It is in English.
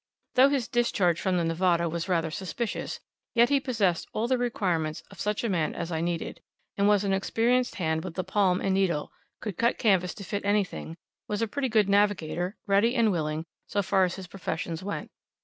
Though his discharge from the 'Nevada' was rather suspicious, yet he possessed all the requirements of such a man as I needed, and was an experienced hand with the palm and needle, could cut canvas to fit anything, was a pretty good navigator, ready and willing, so far as his professions went..